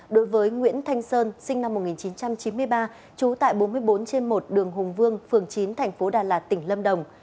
đối với nguyễn thanh sơn sinh năm một nghìn chín trăm chín mươi ba trú tại bốn mươi bốn trên một đường hùng vương phường chín thành phố đà lạt tỉnh lâm đồng